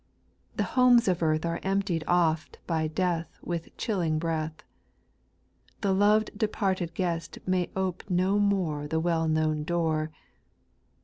The homes of earth are emptied oft by death With chilling breath ; The loved departed guest may ope no more The well known door.